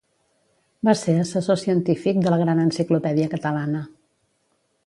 Va ser assessor científic de la Gran Enciclopèdia Catalana.